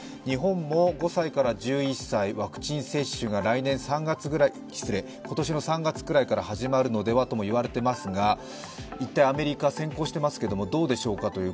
日本も５歳から１１歳、ワクチン接種が今年３月ぐらいから始まるのではと言われていますが一体アメリカは先行してますけど、どうでしょうか。